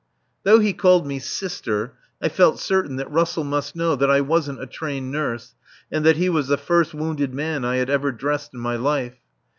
Though he called me "Sister," I felt certain that Russell must know that I wasn't a trained nurse and that he was the first wounded man I had ever dressed in my life.